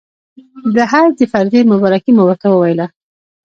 د حج د فرضې مبارکي مو ورته وویله.